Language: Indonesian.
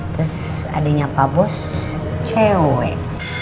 terus adiknya pak bos cewek